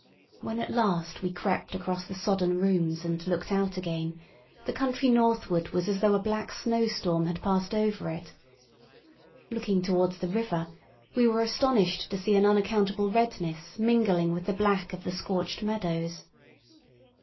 When at last we crept across the sodden rooms and looked out again, the country northward was as though a black snowstorm had passed over it. Looking towards the river, we were astonished to see an unaccountable redness mingling with the black of the scorched meadows.